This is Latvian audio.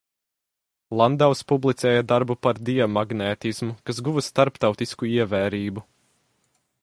Landaus publicēja darbu par diamagnētismu, kas guva starptautisku ievērību.